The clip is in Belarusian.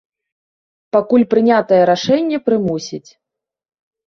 Пакуль прынятае рашэнне прымусіць.